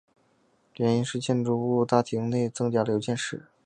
原因是建筑物大厅内增加了邮件室。